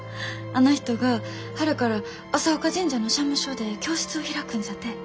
あの人が春から朝丘神社の社務所で教室を開くんじゃてえ。